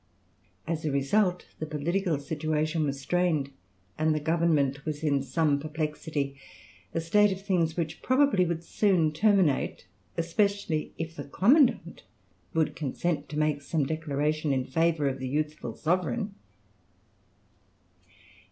As a result the political situation was strained and the government was in some perplexity, a state of things which probably would soon terminate, especially if the commandant would consent to make some declaration in favour of the youthful sovereign.